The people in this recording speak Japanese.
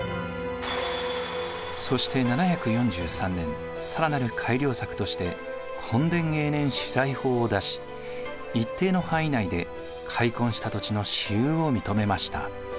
そして７４３年更なる改良策として墾田永年私財法を出し一定の範囲内で開墾した土地の私有を認めました。